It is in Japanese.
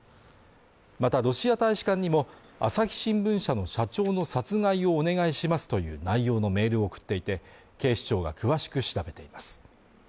またロシア大使館にも、朝日新聞社の社長の殺害をお願いしますという内容のメールを送っていて、警視庁が詳しく調べています。